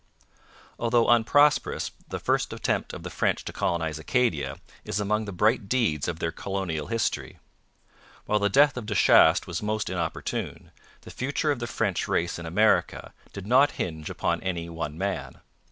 Although unprosperous, the first attempt of the French to colonize Acadia is among the bright deeds of their colonial history. While the death of De Chastes was most inopportune, the future of the French race in America did not hinge upon any one man.